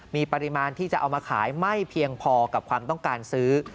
มีปริมาณที่จะเอามาขายไม่เพียงพอกับความต้องการซื้อ